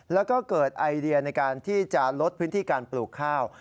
แล้วก็เกิดไอเดียในการที่จะลดพื้นที่การปลูกข้าว